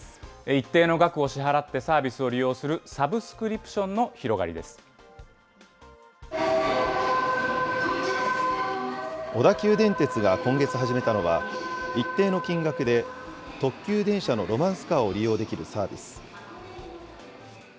一定の額を支払ってサービスを利用するサブスクリプションの小田急電鉄が今月始めたのは、一定の金額で特急電車のロマンスカーを利用できるサービス。